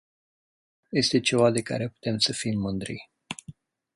Este ceva de care putem să fim mândri.